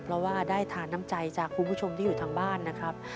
เพราะว่าได้ทานน้ำใจจากคุณผู้ชมที่อยู่ทางบ้านนะครับ